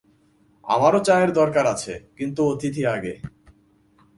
আমারও চায়ের দরকার আছে, কিন্তু অতিথি আগে।